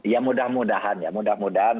ya mudah mudahan ya mudah mudahan